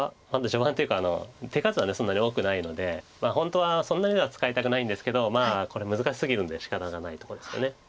序盤というか手数はそんなに多くないので本当はそんなには使いたくないんですけどこれ難しすぎるんでしかたがないとこですかね。